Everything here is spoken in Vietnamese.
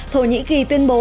thổ nhĩ kỳ tuyên bố